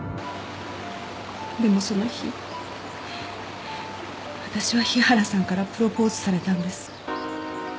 でもその日私は日原さんからプロポーズされたんです。